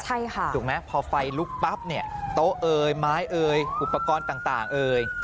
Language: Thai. ใช่ค่ะถูกไหมพอไฟลุกปั๊บเนี่ยโต๊ะเอ่ยไม้เอ่ยอุปกรณ์ต่างเอ่ย